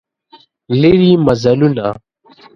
لیري مزلونه